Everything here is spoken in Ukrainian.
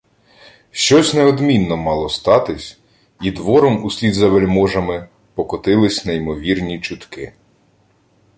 Щось неодмінно мало статись, і двором услід за вельможами покотились неймовірні чутки.